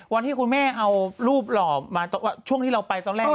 วันที่คุณแม่เอารูปหล่อมาช่วงที่เราไปตอนแรก